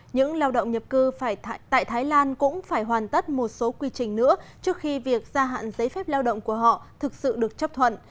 những lao động nhập cư tại thái lan cũng phải hoàn tất một số quy trình nữa trước khi việc gia hạn giấy phép lao động của họ thực sự được chấp thuận